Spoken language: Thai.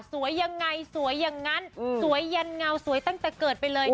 สวยยังไงสวยอย่างนั้นสวยยันเงาสวยตั้งแต่เกิดไปเลย